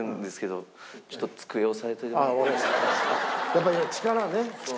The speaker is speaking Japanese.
やっぱり力ね力